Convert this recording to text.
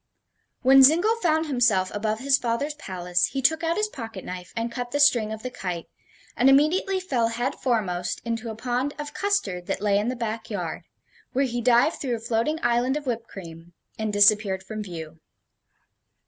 When Zingle found himself above his father's palace, he took out his pocket knife and cut the string of the kite, and immediately fell head foremost into a pond of custard that lay in the back yard, where he dived through a floating island of whipped cream and disappeared from view.